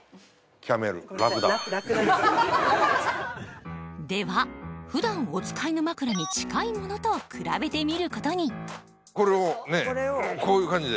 キャメル。では普段お使いの枕に近いものと比べてみることにこれをこういう感じで。